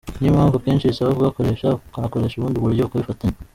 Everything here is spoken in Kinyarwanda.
Niyo mpamvu akenshi bisaba kugakoresha ukanakoresha ubundi buryo ukabifatanya.